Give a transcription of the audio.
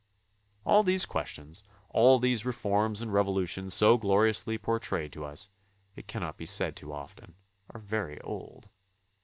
All these questions, all these reforms and revolutions so gloriously portrayed to us, it cannot be said too often, are very old.